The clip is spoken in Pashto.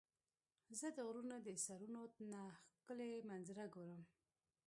زه د غرونو د سرونو نه ښکلي منظره ګورم.